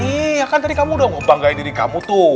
iya kan tadi kamu dong banggain diri kamu tuh